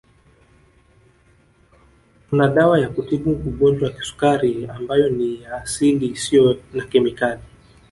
Tuna dawa ya kutibu Ugonjwa wa Kisukari ambayo ni ya asili isiyo na kemikali